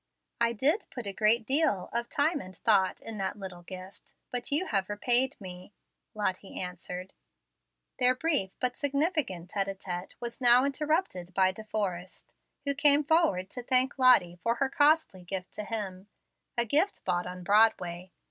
"I did put a great deal of time and thought in that little gift, but you have repaid me," Lottie answered. Their brief but significant tete a tete was now interrupted by De Forrest, who came forward to thank Lottie for her costly gift to him, a gift bought on Broadway.